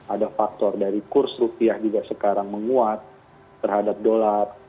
ada faktor dari kurs rupiah juga sekarang menguat terhadap dolar